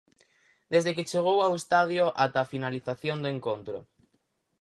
Desde que chegou ao estadio ata a finalización do encontro.